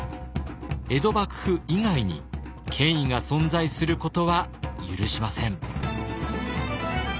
江戸幕府以外に権威が存在することは許しません。